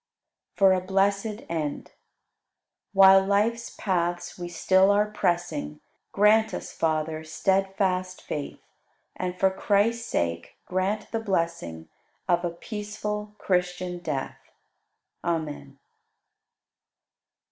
For a Blessed End. 112. While life's paths we still are pressing, Grant us, Father, steadfast faith And for Christ's sake grant the blessing Of a peaceful, Christian death. Amen.